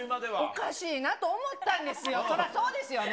おかしいなと思ったんですよ、そりゃそうですよね。